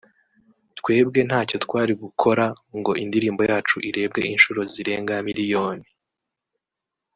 twebwe ntacyo twari gukora ngo indirimbo yacu irebwe inshuro zirenga miliyoni